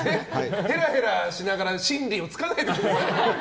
ヘラヘラしながら真理を突かないでくださいよ。